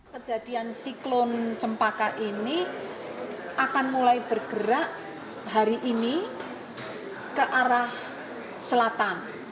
kejadian siklon cempaka ini akan mulai bergerak hari ini ke arah selatan